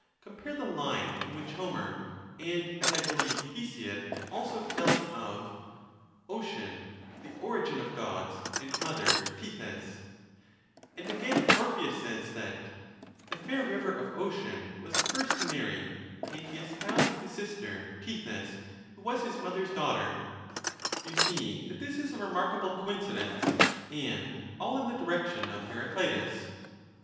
Compare the line in which Homer, and, as I beheve, Hesiod also, tells of ' Ocean, the origin of Gods, and mother Tethys ^' And again, Orpheus says, that ' The fair river of Ocean was the first to marry, and he espoused his sister Tethys, who was his mother's daughter.' You see that this is a remarkable coincidence, and all in the direction of Heracleitus.